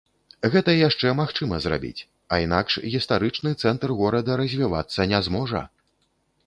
Гэта яшчэ магчыма зрабіць, а інакш гістарычны цэнтр горада развівацца не зможа.